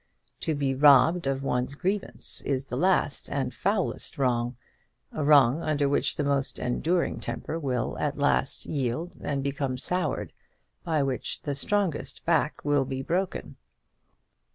To be robbed of one's grievance is the last and foulest wrong, a wrong under which the most enduring temper will at last yield and become soured, by which the strongest back will be broken.